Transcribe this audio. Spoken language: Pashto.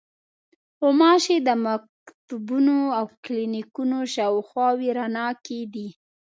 غوماشې د مکتبونو او کلینیکونو شاوخوا وېره ناکې دي.